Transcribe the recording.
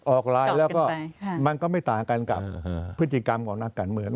ไลน์แล้วก็มันก็ไม่ต่างกันกับพฤติกรรมของนักการเมือง